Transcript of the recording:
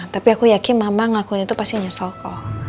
tapi aku yakin mama ngakuin itu pasti nyesel kok